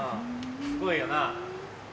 すごいよな。